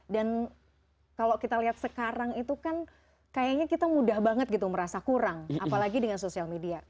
dan kalau kita lihat sekarang itu kan kayaknya kita mudah banget gitu merasa kurang apalagi dengan sosial media